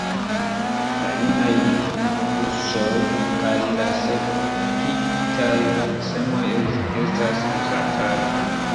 La junaj guŝoj kaj la sekigitaj semoj estas uzataj.